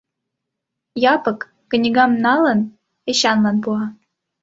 Япык, книгам налын, Эчанлан пуа.